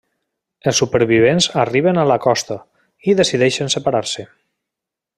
Els supervivents arriben a la costa, i decideixen separar-se.